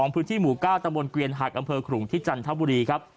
พื้นที่หมู่๙ตะบนเกวียนหักอำเภอขลุงที่จันทบุรีครับ